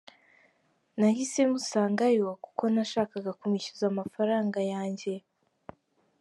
Nahise musangayo kuko nashakaga kumwishyuza amafaranga yanjye.